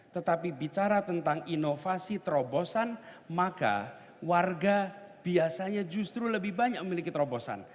tetapi bicara tentang inovasi terobosan maka warga biasanya justru lebih banyak memiliki terobosan